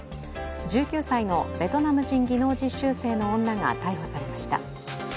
１９歳のベトナム人技能実習生の女が逮捕されました。